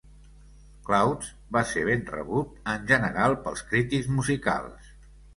"Clouds" va ser ben rebut en general pels crítics musicals.